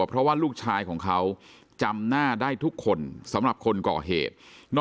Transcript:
เพราะว่าลูกชายของเขาจำหน้าได้ทุกคนสำหรับคนก่อเหตุ